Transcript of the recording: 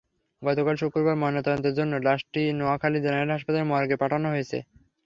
গতকাল শুক্রবার ময়নাতদন্তের জন্য লাশটি নোয়াখালী জেনারেল হাসপাতালের মর্গে পাঠানো হয়েছে।